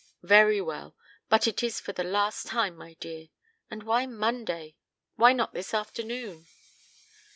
"Very well but it is for the last time, my dear. And why Monday? Why not this afternoon?"